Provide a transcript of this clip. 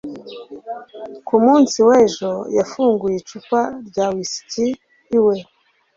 Ku munsi w'ejo, yafunguye icupa rya whiski iwe.